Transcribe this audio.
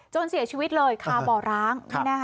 เสียชีวิตเลยคาบ่อร้าง